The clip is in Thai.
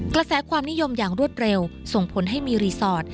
กระแสความนิยมอย่างรวดเร็วส่งผลให้มีรีสอร์ท